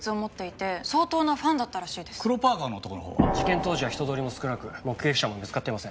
事件当時は人通りも少なく目撃者も見つかっていません。